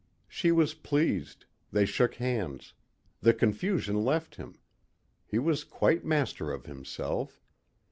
She was pleased. They shook hands. The confusion left him. He was quite master of himself.